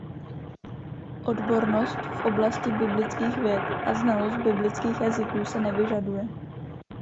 Odbornost v oblasti biblických věd a znalost biblických jazyků se nevyžaduje.